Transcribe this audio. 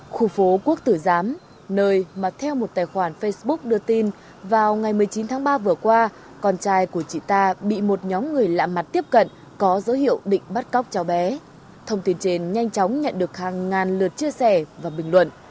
khu phố quốc tử giám nơi mà theo một tài khoản facebook đưa tin vào ngày một mươi chín tháng ba vừa qua con trai của chị ta bị một nhóm người lạ mặt tiếp cận có dấu hiệu định bắt cóc cháu bé thông tin trên nhanh chóng nhận được hàng ngàn lượt chia sẻ và bình luận